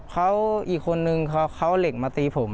เขาอีกคนนึงเขาเอาเหล็กมาตีผม